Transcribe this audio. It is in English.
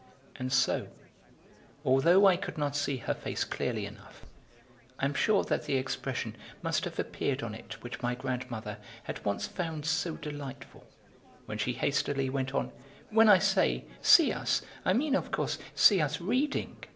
And so, although I could not see her face clearly enough, I am sure that the expression must have appeared on it which my grandmother had once found so delightful, when she hastily went on: "When I say 'see us' I mean, of course, see us reading.